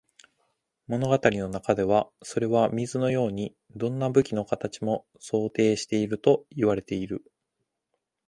物語の中では、それは水のように、どんな武器の形も想定していると言われている。